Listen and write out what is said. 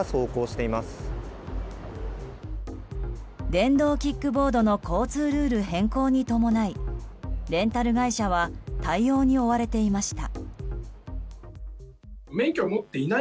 電動キックボードの交通ルール変更に伴いレンタル会社は対応に追われていました。